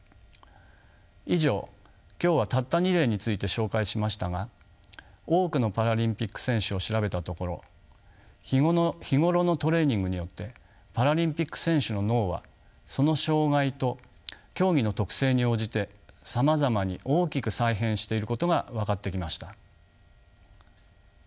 以上今日はたった２例について紹介しましたが多くのパラリンピック選手を調べたところ日頃のトレーニングによってパラリンピック選手の脳はその障がいと競技の特性に応じてさまざまに大きく再編していることが分かってきました。